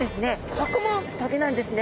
ここも棘なんですね。